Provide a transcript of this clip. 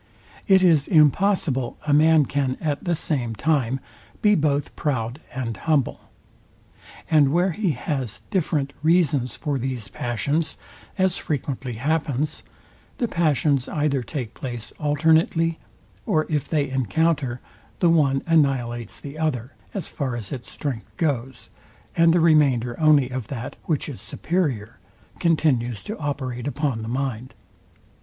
It is impossible a man can at the same time be both proud and humble; and where he has different reasons for these passions, as frequently happens, the passions either take place alternately; or if they encounter, the one annihilates the other, as far as its strength goes, and the remainder only of that, which is superior, continues to operate upon the mind.